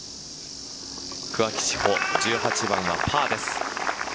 桑木志帆、１８番はパーです。